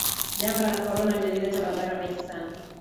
Janga la Corona lilileta madhara mengi sana.